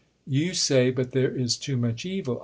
You say, but there is too much evil.